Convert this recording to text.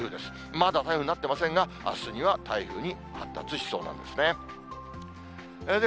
まだ台風になってませんが、あすには台風に発達しそうなんですね。